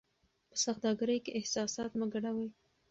په سوداګرۍ کې احساسات مه ګډوئ.